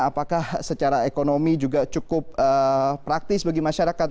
apakah secara ekonomi juga cukup praktis bagi masyarakat